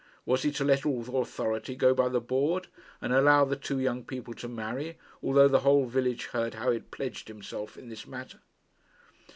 Was he to let all authority go by the board, and allow the two young people to marry, although the whole village heard how he had pledged himself in this matter?